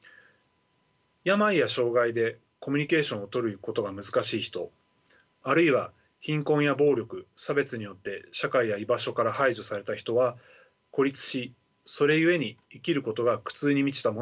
病や障害でコミュニケーションをとることが難しい人あるいは貧困や暴力差別によって社会や居場所から排除された人は孤立しそれゆえに生きることが苦痛に満ちたものになります。